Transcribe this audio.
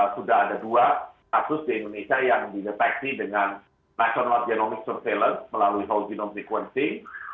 sudah ada dua kasus di indonesia yang dideteksi dengan national genomic surveillance melalui whole genome sequencing